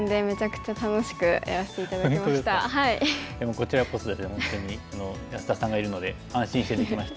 こちらこそ本当に安田さんがいるので安心してできました。